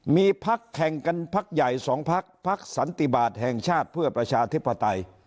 มีพักแข่งกันพักใหญ่๒พักพักสันติบาลแห่งชาติเพื่อประชาธิปไตย